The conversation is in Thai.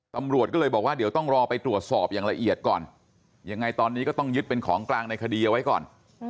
ตำรวจก็เลยบอกว่าเดี๋ยวต้องรอไปตรวจสอบอย่างละเอียดก่อนยังไงตอนนี้ก็ต้องยึดเป็นของกลางในคดีเอาไว้ก่อน